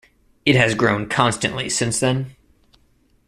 It has grown constantly since then.